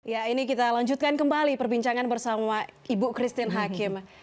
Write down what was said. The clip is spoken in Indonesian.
ya ini kita lanjutkan kembali perbincangan bersama ibu christine hakim